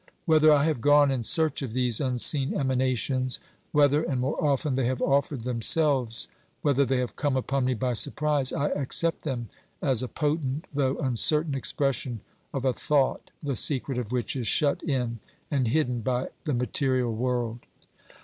Whether I have gone in search of these unseen emanations, whether, and more often, they have offered themselves, whether they have come upon me by surprise, I accept them as a potent, though uncertain, expression of a thought the secret of which is shut in and hidden by the material world.